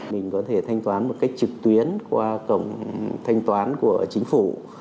mình có thể thanh toán một cách trực tuyến qua cổng thanh toán của chính phủ